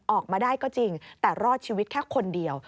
ออกมาได้ก็จริงแต่รอดชีวิตแค่คนเดียว